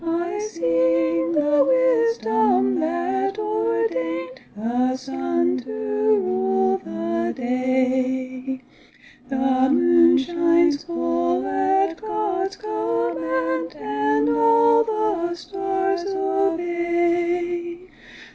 I sing the wisdom that ordained the sun to rule the day; The moon shines full at God's command, and all the stars obey.